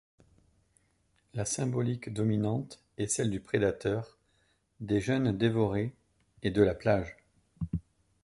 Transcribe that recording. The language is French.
La symbolique dominante est celle du prédateur, des jeunes dévorés, et de la plage.